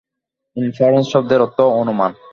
Inference শব্দের অর্থ অনুমান।